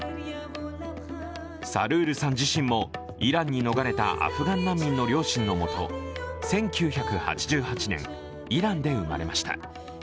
サルールさん自身もイランに逃れたアフガン難民の両親のもと１９８８年、イランで生まれました。